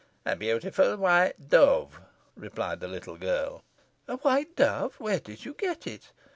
"A beautiful white dove," replied the little girl. "A white dove! Where did you get it?